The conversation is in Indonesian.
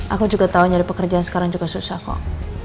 aku juga tahu nyari pekerjaan sekarang juga susah kok